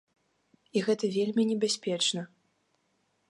І гэта вельмі небяспечна.